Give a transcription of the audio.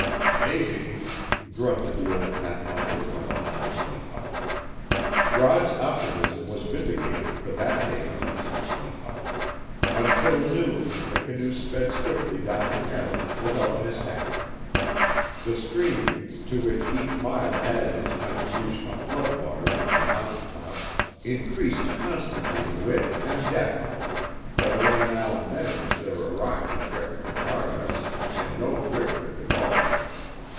"Mebby!" grunted the old pathfinder from behind. Rod's optimism was vindicated for that day, at least. Until noon the canoe sped swiftly down the chasm without mishap. The stream, to which each mile added its contribution of flood water from the mountain tops, increased constantly in width and depth, but only now and then was there a rock to threaten their progress, and no driftwood at all.